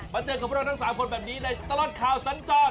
เจอกับพวกเราทั้ง๓คนแบบนี้ในตลอดข่าวสัญจร